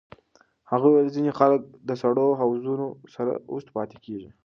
هغې وویل ځینې خلک د سړو حوضونو سره اوږد پاتې کېږي.